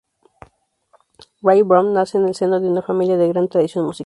Ray Brown nace en el seno de una familia de gran tradición musical.